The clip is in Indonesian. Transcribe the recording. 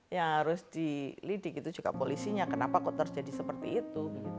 ya harus dilidik itu juga polisinya kenapa kok terjadi seperti itu